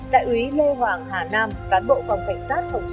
đại úy lê hoàng hà nam cán bộ phòng cảnh sát không tránh